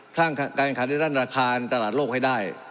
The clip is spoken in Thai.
สร้างการขายได้ด้านราคาในตลาดโลกให้ได้